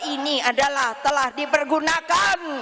ini adalah telah dipergunakan